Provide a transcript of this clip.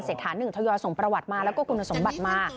ฐานหนึ่งทยอยส่งประวัติมาแล้วก็คุณสมบัติมา